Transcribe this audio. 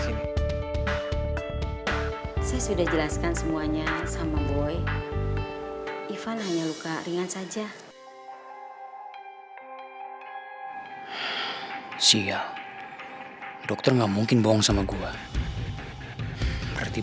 saya sudah signing most negeri